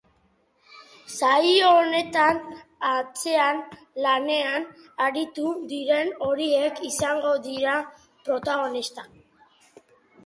Saio honetan, atzean lanean aritu diren horiek izango dira protagonista.